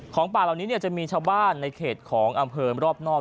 ป่าเหล่านี้จะมีชาวบ้านในเขตของอำเภอรอบนอก